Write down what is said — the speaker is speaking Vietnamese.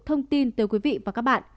thông tin tới quý vị và các bạn